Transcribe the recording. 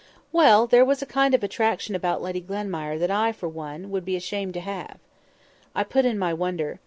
"Well! there was a kind of attraction about Lady Glenmire that I, for one, should be ashamed to have." I put in my wonder.